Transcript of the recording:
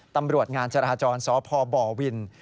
ตำรวจงานจราจรสพบวิน